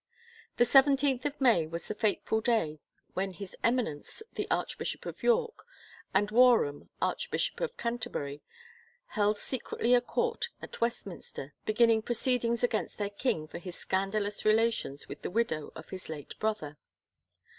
The seventeenth of May was the fateful day when his Eminence, the Archbishop of York, and Warham, Arch bishop of Canterbury, held secretly a court at West minster, beginning proceedings against their king for his scandalous relations with the widow of his late brother.